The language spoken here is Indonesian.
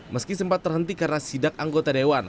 meski sempat terhenti karena sidak anggota dewan